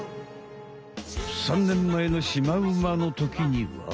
３ねんまえのシマウマのときには。